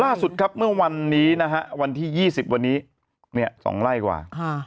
ล่าสุดครับเมื่อวันนี้นะฮะวันที่๒๐วันนี้๒ไร่กว่า